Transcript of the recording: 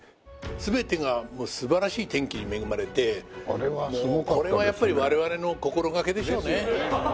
全てが素晴らしい天気に恵まれてもうこれはやっぱり我々の心がけでしょうね。ですよね。